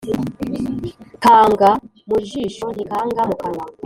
Kanga mu jisho ntikanga mu kanwa.